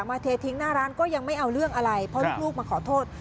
เททิ้งหน้าร้านก็ยังไม่เอาเรื่องอะไรเพราะลูกมาขอโทษ